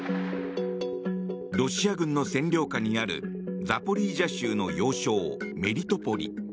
ロシア軍の占領下にあるザポリージャ州の要衝メリトポリ。